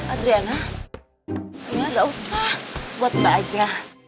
adriana ini gak usah buat mbak aja